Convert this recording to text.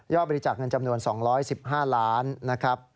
ยอบบริจาคเงินจำนวน๒๑๕ล้านบาท